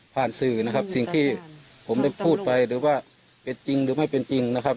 สื่อนะครับสิ่งที่ผมได้พูดไปหรือว่าเป็นจริงหรือไม่เป็นจริงนะครับ